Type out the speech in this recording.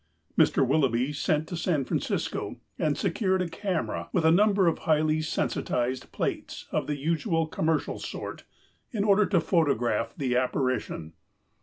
Mr. Willoughby sent to San Francisco and secured a camera with a number of highly sensitized plates of the usual commer cial sort in order to photograph the apparition.